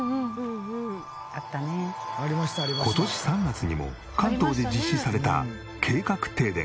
今年３月にも関東で実施された計画停電。